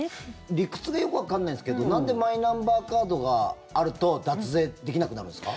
理屈がよくわかんないんですけどなんでマイナンバーカードがあると脱税できなくなるんですか？